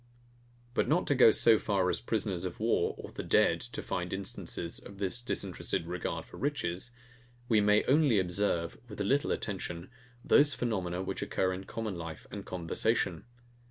But not to go so far as prisoners of war or the dead, to find instances of this disinterested regard for riches; we may only observe, with a little attention, those phenomena which occur in common life and conversation.